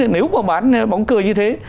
nếu mà bán bóng cười như thế